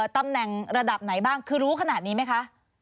ตำแหน่งระดับไหนบ้างคือรู้ขนาดนี้ไหมคะ